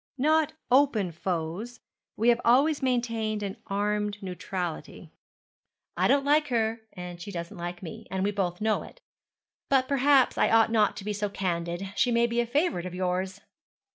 'Not open foes; we have always maintained an armed neutrality. I don't like her, and she doesn't like me, and we both know it. But perhaps I ought not to be so candid. She may be a favourite of yours.'